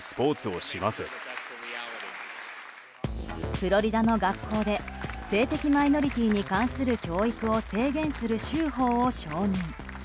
フロリダの学校で性的なマイノリティーに関する教育を制限する州法を承認。